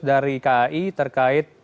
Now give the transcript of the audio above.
dari kai terkait